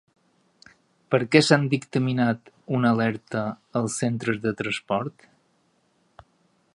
Per què s'ha dictaminat una alerta als centres de transport?